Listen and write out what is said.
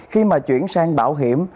khi mà chuyển sang bảo hiểm